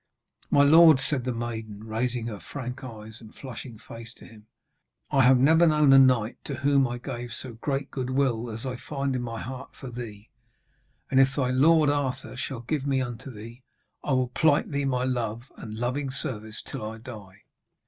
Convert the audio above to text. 'My lord,' said the maiden, raising her frank eyes and flushing face to him, 'I have never known a knight to whom I gave so great goodwill as I find in my heart for thee. And if thy lord Arthur shall give me unto thee, I will plight thee my love and loving service till I die.'